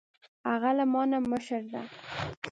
هغه له ما نه مشر ده